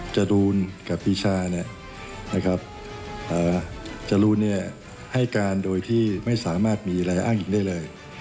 จะดูนกับพี่ชานะครับจะรู้เนี่ยให้การโดยที่ไม่สามารถมีอะไรอ้างอีกได้เลย